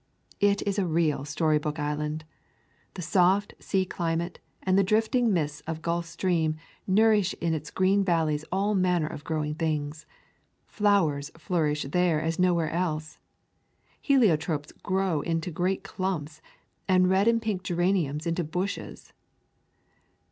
It is a real story book island. The soft, sea climate and the drifting mists of the Gulf Stream nourish in its green valleys all manner of growing things. Flowers flourish there as nowhere else. Heliotropes grow into great clumps, and red and pink geraniums into bushes.